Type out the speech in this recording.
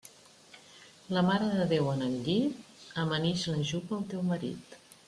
La Mare de Déu en el llit, amanix la jupa al teu marit.